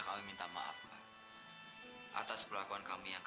sampai jumpa di video selanjutnya